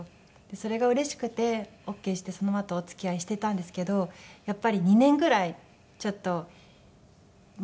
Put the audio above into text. それがうれしくてオーケーしてそのあとお付き合いしていたんですけどやっぱり２年ぐらいちょっと待ってくださいって言って。